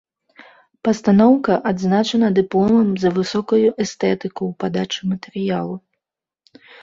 Пастаноўка адзначана дыпломам за высокую эстэтыку ў падачы матэрыялу.